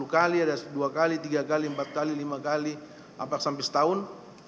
sepuluh kali ada dua kali tiga kali empat kali lima kali empat sampai setahun